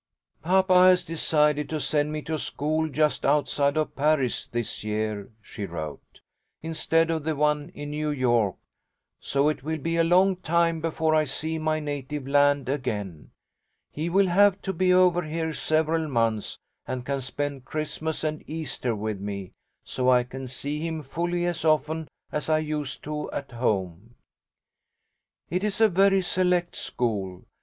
"Papa has decided to send me to a school just outside of Paris this year," she wrote, "instead of the one in New York, so it will be a long time before I see my native land again. He will have to be over here several months, and can spend Christmas and Easter with me, so I can see him fully as often as I used to at home. "It is a very select school.